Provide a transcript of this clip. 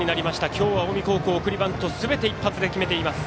今日は近江高校、送りバントすべて一発で決めています。